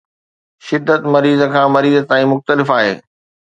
شدت مريض کان مريض تائين مختلف آهي